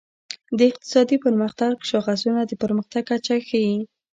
د اقتصادي پرمختګ شاخصونه د پرمختګ کچه ښيي.